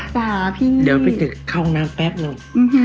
เดี๋ยวพี่ถึกเข้าน้ำแป๊บนึง